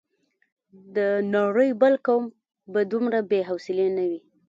د نړۍ بل قوم به دومره بې حوصلې نه وي.